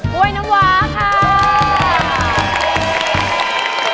กล้วยน้ำวาค่ะ